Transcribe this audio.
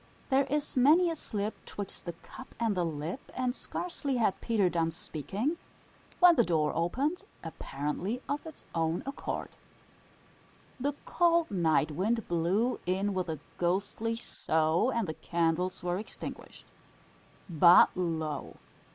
"There is many a slip 'twixt the cup and the lip;" and scarcely had Peter done speaking, when the door opened, apparently of its own accord. The cold night wind blew in with a ghostly sough, and the candles were extinguished. But lo!